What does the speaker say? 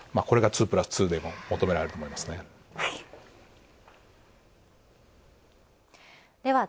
これが２プラス２でも求められると思いますね。